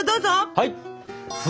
はい！